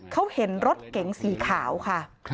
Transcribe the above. เขาเห็นรถเก๋งสีขาวค่ะ